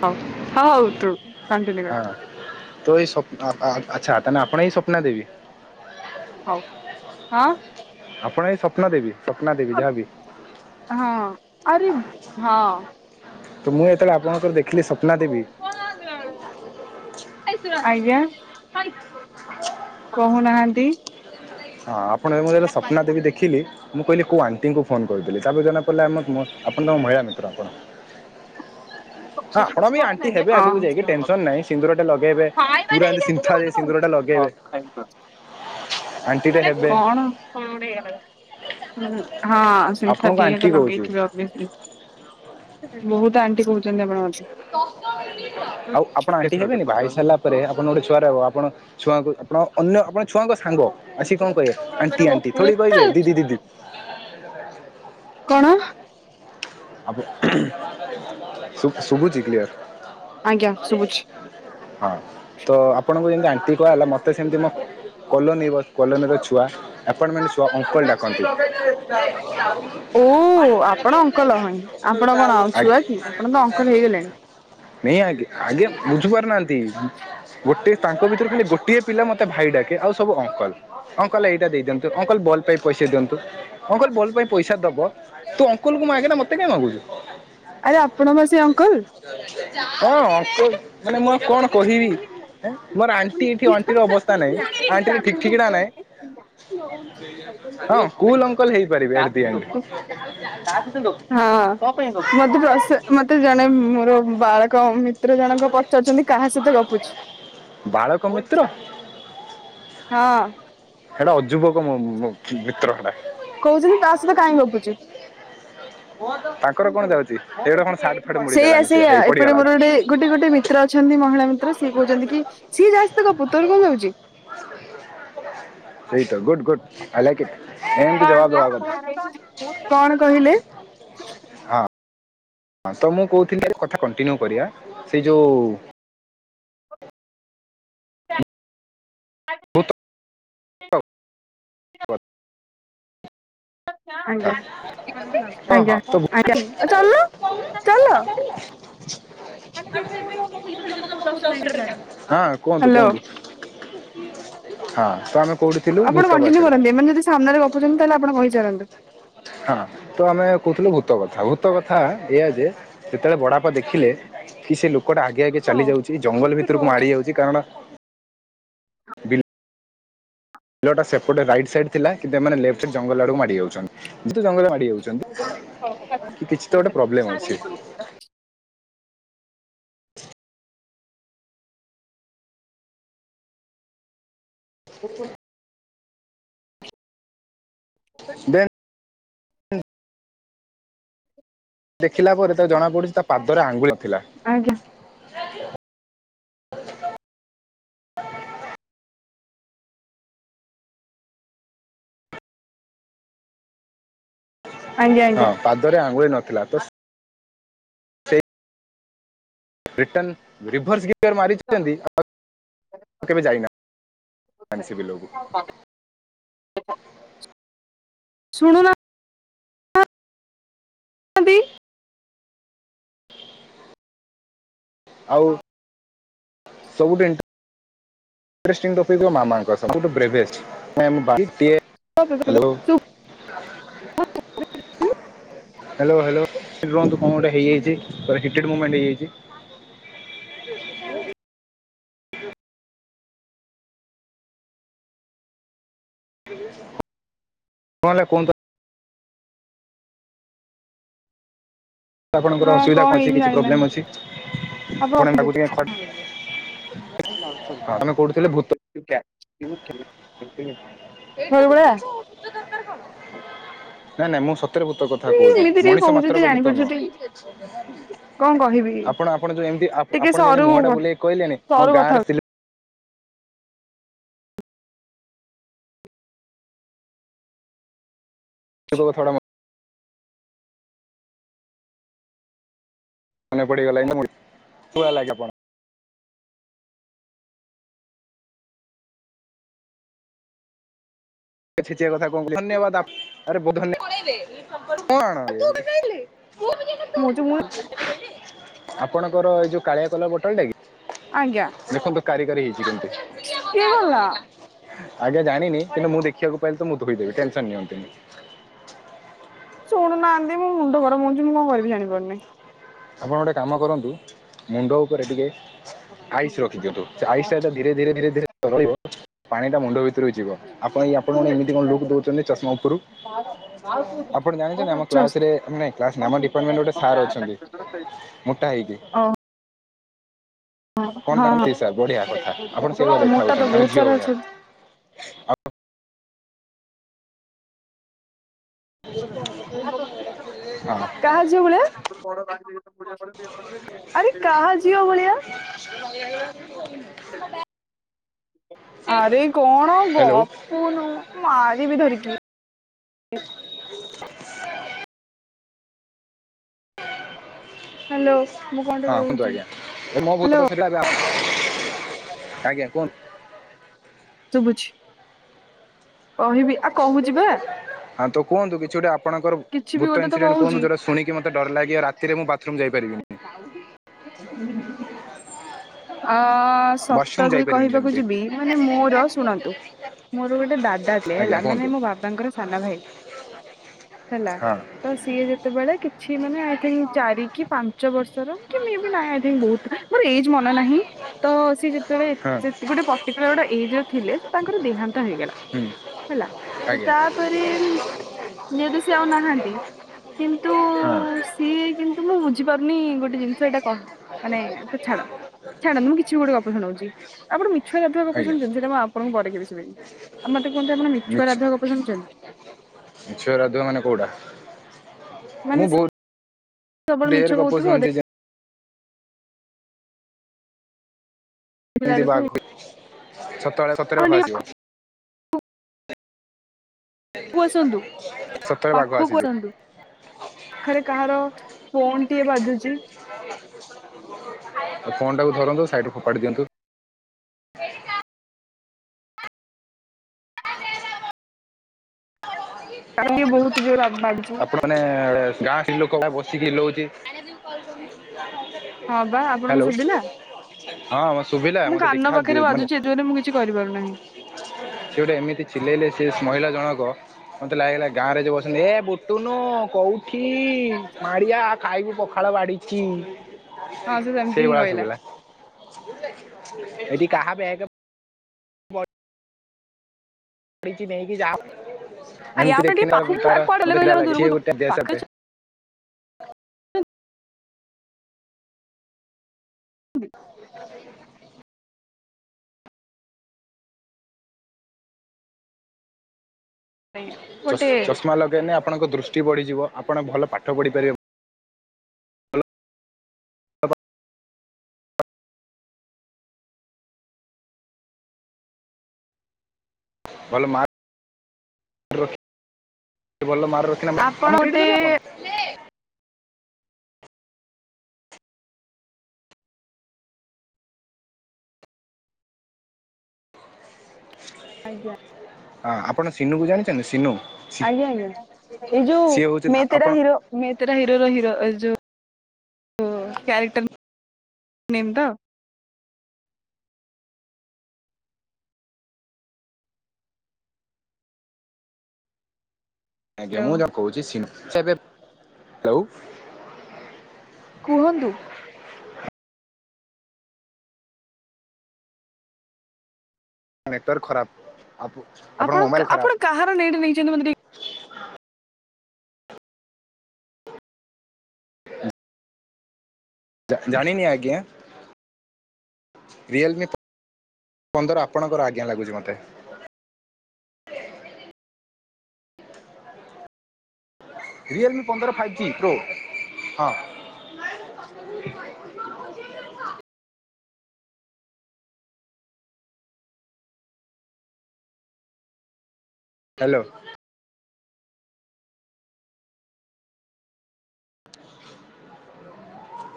ହ ହଉ ତୁ କଣ୍ଟିନ୍ୟୁ କର। ହଁ ତ ଏଇ ସବୁ ଆ-ଆ ଆଚ୍ଛା। ତାହେଲେ ଆପଣ ହିଁ ସ୍ୱପ୍ନା ଦେବୀ? ଆଇ ଆ ଆପଣ ଏଇ ସ୍ୱପ୍ନା ଦେବୀ ସପ୍ନା ଦେବୀ ଯାହାବି ହଁଆରେ ହଁ। ତୁ ମୁଁ ଯେତେବେଳେ ଆପଣଙ୍କର ଦେଖିଲି ସ୍ୱପ୍ନା ଦେବୀ ଆଜ୍ଞା। କହୁ ନାହାନ୍ତି ହଁ ଆପଣେ ମୁଁ ଯେତେବେଳେ ସ୍ୱପ୍ନା ଦେବୀ ଦେଖିଲି। ମୁଁ କହିଲି କୋଉ ଆଣ୍ଟିଙ୍କୁ ଫୋନ୍ କହିିଥିଲି ତାପରେ ଜଣାପଡ଼ିଲା ଆମ-ମ ଆପଣ ତାଙ୍କ ମହିଳା ମିତ୍ର ଆପଣ। ହଁ ଆପଣ ବି ଆଣ୍ଟି ହେବେ ଆଗକୁ ହଁ ଯାଇକି ଟେନସନ୍ ନାହିଁ। ସିନ୍ଦୁର ଟେ ଲଗେଇବେ ପୁରା ଏମିତି ସିନ୍ତାଳୀ ସିନ୍ଦୁରଟେ ଲଗେଇବେ। [unintelligible] ଆଣ୍ଟିଟେ ହେବେ କଣ ହଁ ଆପଣଙ୍କୁ ସିମ୍ଫାଥି ଆଣ୍ଟି ଏଇନେ ଲଗେଇ କହୁଛି ଥିବ। [unintelligible] ବହୁତ୍ ଆଣ୍ଟି କହୁଛନ୍ତି ଆପଣ ମତେ ଆଉ ଆପଣ ଆଣ୍ଟି ହେବେନି ବାହାହେଇ ସାରିଲା ପରେ ଆପଣ ଗୋଟେ ଛୁଆ ର ଆପଣ ଛୁଆଙ୍କୁ ଆପଣ ଅନ୍ୟ ଆପଣ ଛୁଆଙ୍କ ସାଙ୍ଗ ଆସି କଣ କହିବେ ଆଣ୍ଟି ଆଣ୍ଟି ଥୋଡ଼ି କହିବେ ଦିଦି ଦିଦି। କଣ? ଆପ ଶୁ ଶୁଭୁଛି କ୍ଲିୟର୍? ଆଜ୍ଞା ଶୁଭୁଛି ହଁ। ତ ଆପଣଙ୍କୁ ଯେମତି ଆଣ୍ଟି କୁହାଗଲା। ମତେ ସେମିତି ମୋ କଲୋନି ବସ୍ କଲୋନିର ଛୁଆ ଆପାର୍ଟମେଣ୍ଟ ଛୁଆ ଅଙ୍କଲ୍ ଡ଼ାକନ୍ତି। ଓ ଆପଣ ଅଙ୍କଲ୍। ହ ଆପଣ କଣ ଆଉ ଆ ଛୁଆ କି ଆପଣ ତ ଅଙ୍କଲ୍ ହେଇଗଲେଣି। ନେଇଁ ଆଗି ଆଗେ ବୁଝିପାରୁନାହାନ୍ତି। ଗୋଟେ ତାଙ୍କ ଭିତରୁ ଖାଲି ଗୋଟିଏ ପିଲା ମତେ ଭାଇ ଡାକେ ଆଉ ସବୁ ଅଙ୍କଲ୍। ଅଙ୍କଲ୍ ଏଇଟା ଦେଇଦିଅନ୍ତୁ ଅଙ୍କଲ୍ ବଲ୍ ପାଇଁ ପଇସା ଦିଅନ୍ତୁ। ଅଙ୍କଲ୍ ବଲ୍ ପାଇଁ ପଇସା ଦବ ତୁ ଅଙ୍କଲ୍ ଙ୍କୁ ମାଗେନା ମତ୍- ମତେ କାଇଁ ମାଗୁଛୁ। ଆରେ ଆପଣ ବା ସେ ଅଙ୍କଲ ହଁ ଅଙ୍କ ମାନେ ମୁଁ ଆଉ କଣ କହିବି। ମୋର ଆଣ୍ଟି ଏଠି ଅଣ୍ଟିର ଅବସ୍ଥା ନାହିଁ। ଆଣ୍ଟିର ଠିକ୍ ଠିକଣା ନାହିଁ। ହଁ କୁଲ୍ ଅଙ୍କଲ୍ ହେଇପାରିବେ। At the ଏଣ୍ଟ। [inaudible] ହଁ। ମତେ ରସ ମତେ ଜଣେ ମୋର ବାଳକ ମିତ୍ର ଜଣଙ୍କ ପ କହୁଛନ୍ତି କାହା ସହିତ ଗପୁଛୁ ବାଳକ ମିତ୍ର ହ। ହେଟା ଅଯୁବକ ମୋ ମୋ ମିତ୍ର ହେଟା। କହୁଛନ୍ତି ତା ସହିତ କାଇଁ ଗପୁଛୁ। ତାଙ୍କର କଣ ଯାଉଛି ଏଗୁଟା କଣ ସାର୍ଟ ଫାଟ ମୁଡି ସେଇଆ ଦେଲାଣି ସେ ସେଇଆ ହେଇ ଏପଟେ ପଡିଗଲା ମୋର ଗୋଟେ ଗୋଟେ ଗୋଟେ ମି ମିତ୍ର ଅଛନ୍ତି ମହିଳା ମିତ୍ର ସିଏ କହୁଛନ୍ତି କି ସିଏ ଯାହା ସହିତ ଗପୁ ତୋର କଣ ଯାଉଛି? ସେଇ ତ good good. I like it. ଏମିତି ଜବାବ ଦବା କଥା କଣ କହିଲେ? ହଁ। ହଁ ତ ମୁଁ କହୁଥିଲି କଥା କଣ୍ଟିନ୍ୟୁ କରିବା ସେଇ ଯୋଉ [unintelligible] ଆଜ୍ଞା [unintelligible] ଆଜ୍ଞା ଆଜ୍ଞା ଚାଲୁନ ହଁ ଚାଲ କୁହନ୍ତୁ କୁହନ୍ତୁ? ହଁ ହ୍ୟାଲୋ ତ ଆମେ କୋଉଠି ଥିଲୁ ଆପଣ ଭୂତ କଣ୍ଟିନ୍ୟୁ ପାଖରେ କରନ୍ତୁ ଏମାନେ ଯଦି ସାମ୍ନାରେ ଗପୁଛନ୍ତି ତାହେଲେ ଆପଣ କହିଚାଲନ୍ତୁ। ହଁ। ତ ଆମେ କହୁଥିଲେ ଭୂତ କଥା। ଭୂତ କଥା ଏଇଆ ଯେ ଯେତେବେଳେ ବଡବାପା ଦେଖିଲେ କି ସେ ଲୋକଟା ଆଗେ ଆଗେ ଚାଲି ଯାଉଛି ଜଙ୍ଗଲ ଭିତରକୁ ମାଡ଼ି ଯାଉଛି କାରଣ ବିଲ ଟା ସେପଟେ ରାଇଟ୍ ସାଇଡ୍ ଥିଲା। କିନ୍ତୁ ଏମାନେ ଲେଫ୍ଟସାଇଡ୍ ଜଙ୍ଗଲ ଆଡକୁ ମାଡ଼ି ଯାଉଛନ୍ତିୁ। ଜଙ୍ଗଲ ଏଇ ହୋଉଛନ୍ତି କିଛି ତ ଗୋଟେ ପ୍ରବ୍ଲେମ୍ ଅଛି। [unintelligible] ଦେନ୍ ଦେଖିଲା ପରେ ତାକୁ ଜଣାପଡୁଛି ତା ପାଦରେ ଆଙ୍ଗୁଳି ଥିଲା। ଆଜ୍ଞା। ରାଜୁ। [unintelligible] ଆଜ୍ଞା ହଁ ଆଜ୍ଞା। ପାଦରେ ଆଙ୍ଗୁଳି ନଥିଲା ତ ରିଟନ୍ ରିଭର୍ସ ଗିୟର ମାରିଛନ୍ତି ଆଉ କେବେ ଯାଇନା। [unintelligible] ଶୁଣୁନ ନ୍ତି ଆଉ ସବୁଠି ଇଣ୍ଟରଷ୍ଟିଂ ଟପିକ ଥିବ ମାମାଙ୍କ ସହ ସବୁଠୁ [unintelligible] ହ୍ୟାଲୋ ହାଲୋ ହାଲୋ କଣ ଗଟେ ହେଇଯାଇଛି ହିଟେଡ୍ ମୁମେଣ୍ଟ ହେଇଯାଇଛି। କଣ ହେଲା [unintelligible] ଆପଣଙ୍କର ହଁ ଅସୁବିଧା କଣ ଅଛି ହେଇନି କିଛି ପ୍ରୋବ୍ଲେମ୍ ଜାଣିନାହିଁ ଅଛି ଆପଣ ପଣ ଗପନ୍ତୁ ଟିକେ ଖ ହଁ ଆମେ କୋଉଠିଥିଲେ ଭୂତ ବୁ [unintelligible] ନାଇଁ ନାଇଁ ମୁଁ ସତ ସତରେ ଭୂତ କଥା କହୁଛି ଏମିତି ଟିକେ ମଣିଷ କହୁଛୁ ଯଦି ମାତ୍ରକ ଭୂତ ଜାଣିପାରୁଛୁ ନୁହଁ। ଟିକେ କଣ କହିବି ଆପଣ ଆପଣ ଯୋଉ ଏମିତି ଆପ ଟିକେ ଆପଣ ଯେମିତି ସରୁ ମୁହଁ ଟା ବୁଲେଇକି କହିଲେନି ମୋ ସରୁ କଥା ଗାଁର ସିଲି [inaudible] ମନେ ପଡିଗଲା [unintelligible] ଆପଣ। [unintelligible] [unintelligible] ମୋ ଯୋଉ ଆପଣଙ୍କର ଏଇ ଯୋଉ କାଳିଆ କଲର ବୋଟଲ ଟା କି ଆଜ୍ଞା ଦେଖନ୍ତୁ କାରିଗାରୀ ହେଇଛି କେମତି କିଏ ଗଲା? ଆଜ୍ଞା ଜାଣିନି କିନ୍ତୁ ମୁଁ ଦେଖିବାକୁ ପାଇଲିି ତ ମୁଁ ଧୋଇଦେବି ଟେନସନ ନିଅନ୍ତୁନି। ଶୁଣୁନାହାନ୍ତି ମୋ ମୁଣ୍ଡ ଗରମ ହଉଛି ମୁ କଣ କରିବି ଜଣିପାରୁନି। ଆପଣ ଗୋଟଏ କାମ କରନ୍ତୁ ମୁଣ୍ଡ ଉପରେ ଟିକେ ଆଇସ ରଖି ଦିଅନ୍ତୁ ସେ ଆଇସ୍ ଟା ଯୋଉ ଧୀରେ ଧୀରେ ଧୀରେ ଧୀରେ ତରଳିବ ପାଣି ଟା ମୁଣ୍ଡ ଭିତରକୁ ଯିବ। ଆପଣ ଇଏ ଆପଣମାନେ ଏମିତି କଣ ଲୁକ ଦଉଛନ୍ତି ଚଷମା ଉପରୁ ଆପଣ ଜାଣିଛନ୍ତି ଆମ ଜଷ୍ଟ କ୍ଲାସରେ ନାଇ କ୍ଲାସ ନୁହେ ଆମ ଡିପାଟମେଣ୍ଟ ଗୋଟେ ସାର୍ ଅଛନ୍ତି। ମୋଟା ହେଇକି। ଓ କଣ ହଁ ତଙ୍କ ହଁ। ତି ସାର୍ ବଢିଆ କଥା ଆପଣ ସେଇଭଳିଆ ଦେଖା ମୋଟା ତ ହଉଛନ୍ତି ତାଙ୍କ ବହୁତ ଝିଅ ସାରା ଭଳିଆ। ଅଛନ୍ତି ଆଉ ହଁ କାହା ଝିଅ ଭଳିଆ? ଆରେ କାହା ଝିଅ ଭଳିଆ? [inaudible] ଆରେ କଣ ଗ ହ୍ୟାଲୋ ଗପୁନୁ ମାରିବି ଧରିକି। ହାଲୋ। ହଁ କୁହନ୍ତୁ ଆଜ୍ଞା ଏ ମୋବୋତ ସିରିଲା ଆଜ୍ଞା କୁହନ୍ତୁ। ଶୁଭୁଛି କହିବି ଆଉ କହୁଛି ବା ହଁ ତ କୁହନ୍ତୁ କିଛି ଗୋଟେ ଆପଣଙ୍କର କିଛି ବି ଭୂତ ଗୋଟେ ତ ଇନସିଡେଣ୍ଟ କହୁଛି କୁହନ୍ତୁ ଯୋଉଟା ଶୁଣି କି ମତେ ଡର ଲାଗିବ ରାତିରେ ମୁଁ ବାଥରୁମ ଯାଇପାରିବିନି। [inaudible] ଅ ସତ ୱାସରୁମ୍ ଯଦି ଯାଇପାରିବିନି କହିବାକୁ ଯେମିତି ଯିବି ମାନେ ମୋର ଶୁଣନ୍ତୁ। ମୋର ଗୋଟେ ଦାଦା ଥିଲେ ଆଜ୍ଞା ହେଲା କୁହନ୍ତୁ ମାନେ ମୋ ବାବାଙ୍କର ସାନା ଭାଇ ହେଲା। ହଁ ତ ସିଏ ଯେତେବେଳେ କିଛି ମାନେ ଆଇ ଥିଙ୍କ୍ ଚାରି କି ପାଞ୍ଚ ବର୍ଷର କି ମେ ବି ନା ଆଇ ଥିଙ୍କ୍ ବୋହୁତ ମୋର ଏଜ୍ ମନ ନାହିଁ ତ ସିଏ ଯେ ତେବେଳେ ହଁ ଚେତ୍ ଗୋଟେ ପର୍ଟିକୁଲାର ଗୋଟେ ଏଜର ଥିଲେ ତାଙ୍କର ଦେହାନ୍ତ ହେଇଗଲା। ହୁଁ ହେଲା ତ ଆଜ୍ଞା ତାପେରେ ଉଁ ଯେହେତୁ ସିଏ ଆଉ ନାହାନ୍ତି କିନ୍ତୁ ହଁ ସିଏ କିନ୍ତୁ ମୁଁ ବୁ ଝିପାରୁନି ଗୋଟେ ଜିନିଷଟା କଣ ମାନେ ସେ ଛାଡ। ଛାଡନ୍ତୁ ମୁଁ କିଛି ଗୋଟେ ଗପ ଶୁଣଉଚି ଆପଣ ମିଛୁଆ ରାଧୁଆ ଗପ ଆଜ୍ଞା ଶୁଣିଛନ୍ତି ସେଟା ମୁଁ ଆପଣଙ୍କୁ ପରେ କେବେ ଶୁଣେଇବି। ଆ ମତେ କୁହନ୍ତୁ ଆପଣ ମିଛୁଆ ରାଧୁଆ ଗପ ଶୁଣିଛନ୍ ମିଛୁଆ ରାଧୁଆ ମାନେ କୋଉଟା ମାନେ ମୁଁ ସେ ବୋହୁ ସବୁବେଳେ ମିଛ କହୁଥୁବ [unintelligible] ଦେଖିଲା ଏମିତି ବେଳକୁ ବାଘ ସେତଏଳେ ସତେରେ ଆପଣ ବାଘ ଟିକେ ଆସିବ। କୁ ଆସନ୍ତୁ ସତରେ ବାଘ ପାଖୁକୁୁ ଆସିଯିବ ଆସନ୍ତୁ। ଖେରେ କାହାର ଫୋନଟିଏ ବାଜୁଚି। ଆଉ ଫୋନଟାକୁ ଧରନ୍ତୁ ସାଇଟିକୁ ଫୋପାଡି ଦିଅନ୍ତୁ। [inaudible] [unintelligible] ବୋହୁତୁ ଜୋର ଆ ବାଜୁଛି। [unintelligible] ମାନେ ଗାଁ ସ୍ତ୍ରୀଲୋକ ଭଳିଆ ବସିକି ହିଲଉଚି [inaudible] ହଁ ବା ଆପଣଙ୍କୁ ହ୍ୟାଲୋ ଶୁଭିଲା [inaudible] ହଁ ମ ଶୁଭିଲା ମୁଁ ମତେ କାନ ଦେଖା ଦେ ପାଖରେ ମାନେ ବାଜୁଛି ଏତେ ଜୋରେ ମୁଁ କିଛି କରିପାରୁନାହିଁ ସିଏ ଗୋଟେ ଏମିତି ଚିଲେଇଲେ ସିଏ ସ୍ ମହିଳା ଜଣକ ମତେ ଲାଗିଲା ଗାଁରେ ଯୋଉ ବସନ୍ତି ହେ ବୁ ଟୁନୁ କୋଉଠି ମାଡିଆ ଖାଇବୁ ପଖାଳ ବାଢିଚି। ହଁ ସେ ସେମିତି ସେଇ ହିଁ ଭଳିଆ କହିଲା ଶୁଭିଲା ଏଠି କାହା ବେଗେ ପଡିଚି ନେଇକି ଯାଅ ଏମତି ଆପଣ ଟିକେ ଦେଖିନେ ତାର ଉଁ ପାଖକୁ ତାର କୁଆଡେ ଗଲେ ମତେ ଚିଡା କହିଲେ ଲାଗେ ଦୂରକୁ ସିଏ ଗୋଟେ ଦେଶଟେ ପାଖରେ ଚଷ୍ ଗୋଟେ ଚଷମା ଲଗେଇନେ ଆପଣଙ୍କ ଦୃଷ୍ଟି ବଢିଯିବ ଆପଣ ଭଲ ପାଠ ପଢିପାରିବେ। ଭଲ ମା ରଖି ଭଲ ମାରର [unintelligible] ଆପଣ ଆମକୁ କେଇଠି ଗୋଟେ ଦେବେ ଆପଣ? ଆଜ୍ଞା। ହଁ ଆପଣ ସିନୁକୁ ଜାଣିଛନ୍ତି ସିନୁ। ସି- ଆଜ୍ଞା ଆଜ୍ଞା ଏଇ ଯୋଉ ସିଏ ହଉଛନ୍ତି ମେଁ ଆ- ତେରା ଆପଣ ହିରୋ ମେଁ ତେରା ହିରୋର ହିରୋ ଏ ଯୋଉ ଓ କ୍ୟାରେକ୍ଟର ନେମ୍ ତ। ଆଜ୍ଞା ହ୍ୟାଲୋ ମୁଁ ଯାହାକୁ କହୁଚି ମିନୁ ସେ ଏବେ [unintelligible] କୁହନ୍ତୁ। ନେଟୱର୍କ ଖରାପ ଆପ ଆପଣ ଆପଣଙ୍କ ମୋବାଇଲ୍ ଆପଣ ଖରାପ। କାହାର ନେଟେ ନେଇଛନ୍ତି ମତେ ଟିକେ ଜା ଜାଣିନି ଆଜ୍ଞା। ରିଏଲମି ପ ପନ୍ଦର ଆପଣଙ୍କର ଆଜ୍ଞା ଲାଗୁଚି ମତେ। ରିଏଲମି ପନ୍ଦର ଫାଇଭ୍ ଜି ପ୍ରୋ ହଁ। [inaudible] ହ୍ୟାଲୋ।